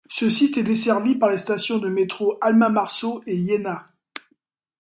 Ce site est desservi par les stations de métro Alma - Marceau et Iéna.